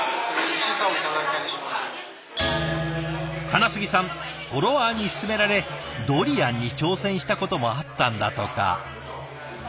金杉さんフォロワーに勧められドリアンに挑戦したこともあったんだとか。